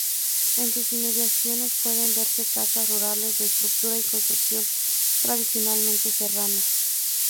En sus inmediaciones pueden verse casas rurales de estructura y construcción tradicionalmente serrana.